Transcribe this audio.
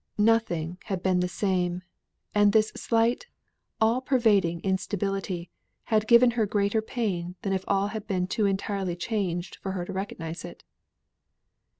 Nothing had been the same; and this slight, all pervading instability, had given her greater pain than if all had been too entirely changed for her to recognise it.